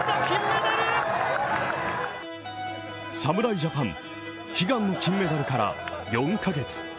侍ジャパン悲願の金メダルから４ヶ月。